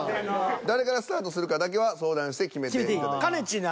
誰からスタ―トするかだけは相談して決めていただきます。